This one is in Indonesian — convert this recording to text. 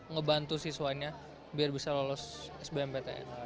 ngebantu siswanya biar bisa lolos sbmptn